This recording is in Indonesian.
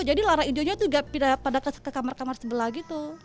jadi lara hijaunya juga pindah ke kamar kamar sebelah gitu